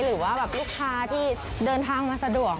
หรือว่าลูกค้าที่เดินทางมาสะดวก